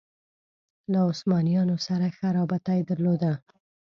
له عثمانیانو سره ښه رابطه درلوده